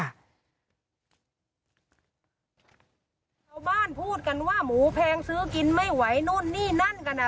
ชาวบ้านพูดกันว่าหมูแพงซื้อกินไม่ไหวนู่นนี่นั่นกันอ่ะ